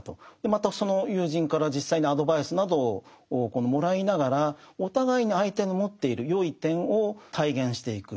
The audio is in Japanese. またその友人から実際にアドバイスなどをもらいながらお互いに相手の持っている善い点を体現していく。